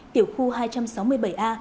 tiểu khu hai trăm sáu mươi bảy a